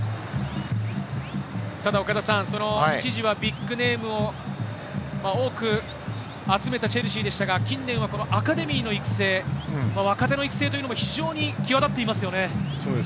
ただ、一時はビッグネームを多く集めたチェルシーでしたが、近年はアカデミーの育成、若手の育成というのも非常に際立っていますよね。